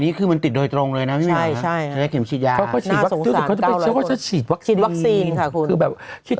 แม้ก่อนไม่เปลี่ยนนะแต่ว่าอักษรเช็ด